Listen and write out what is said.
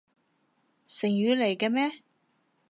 成語嚟嘅咩？